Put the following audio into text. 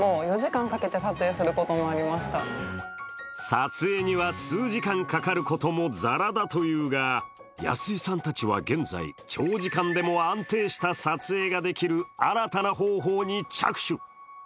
撮影には数時間かかることもザラだというが、安井さんたちは現在、長時間でも安定した撮影ができる新たな方法に着手。